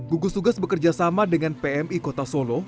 gugus tugas bekerjasama dengan pmi kota solo